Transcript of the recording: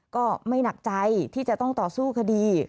ก็ไม่หนักใจที่จะต้องต่อสู้คดี